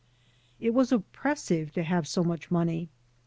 It was oppressive to have so much money.